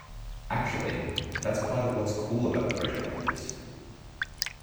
Actually that's part of what's cool about a project like this.